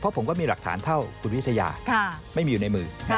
ผมก็มีหลักฐานเท่าคุณวิทยาไม่มีอยู่ในมือ